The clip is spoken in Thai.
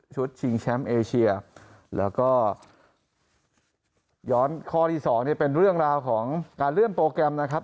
ชิงแชมป์เอเชียแล้วก็ย้อนข้อที่สองเนี่ยเป็นเรื่องราวของการเลื่อนโปรแกรมนะครับ